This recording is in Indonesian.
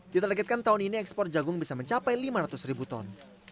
ditargetkan tahun ini ekspor jagung bisa mencapai lima ratus ribu ton